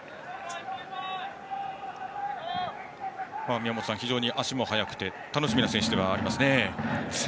宮本さん、非常に足も速くて楽しみな選手ですね。